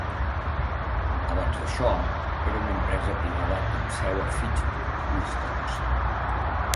Abans d'això, era una empresa privada amb seu a Fitchburg, Wisconsin.